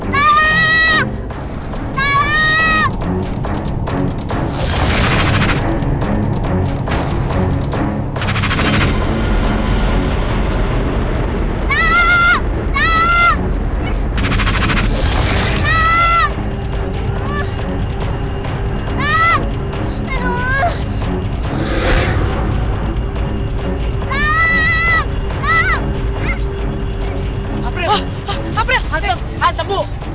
berlindungi para tek